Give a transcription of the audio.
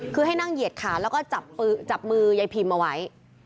คือให้นั่งเหยียดขาแล้วก็จับมือยายพิมพ์เอาไว้